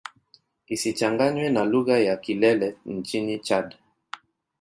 Isichanganywe na lugha ya Kilele nchini Chad.